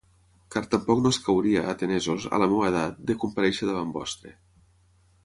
Car tampoc no escauria, atenesos, a la meva edat, de comparèixer davant vostre.